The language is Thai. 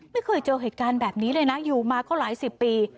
ไม่เคยเจอเหตุการณ์แบบนี้เลยนะอยู่มาก็หลายสิบปี